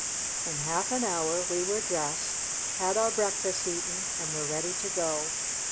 In half an hour we were dressed, had our breakfast eaten, and w T ere ready to go.